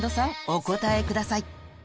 お答えください